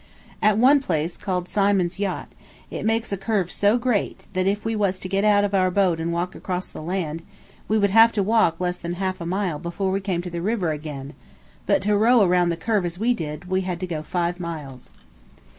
At one place, called Symond's Yat, it makes a curve so great, that if we was to get out of our boat and walk across the land, we would have to walk less than half a mile before we came to the river again; but to row around the curve as we did, we had to go five miles.